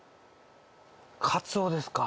カツオですか？